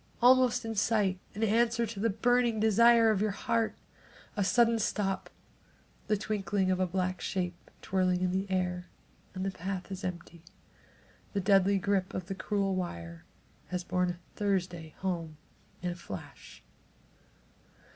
almost in sight, in answer to the burning desire in your heart. A sudden stop! The twinkling of a black shape twirling in the air, and the path is empty! The deadly grip of the cruel wire has borne Thursday home in a flash.